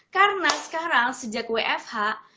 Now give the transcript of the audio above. karena sekarang sejak wfh